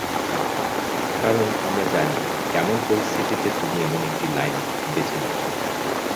কারণ, আমরা জানি, কেমন পরিস্থিতিতে তুমি এমন একটি লাইন বেছে নিয়েছ।